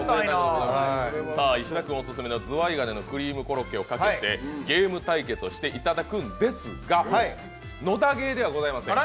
石田君オススメのずわい蟹のクリームコロッケをかけてゲーム対決をしていただくんですが「野田ゲー」ではございません。